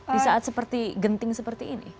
di saat seperti genting seperti ini